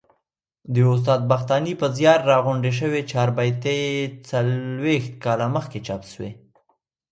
د استاد بختاني په زیار راغونډي سوې چاربیتې څلوبښت کال مخکي چاپ سوې.